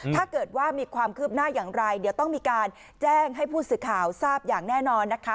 ถ้าเกิดว่ามีความคืบหน้าอย่างไรเดี๋ยวต้องมีการแจ้งให้ผู้สื่อข่าวทราบอย่างแน่นอนนะคะ